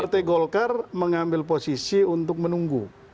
partai golkar mengambil posisi untuk menunggu